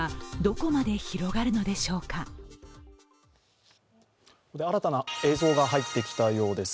ここで新たな映像が入ってきたようです。